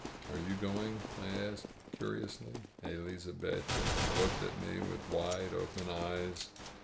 "Are you going?" I asked curiously. Elizabetta looked at me with wide open eyes.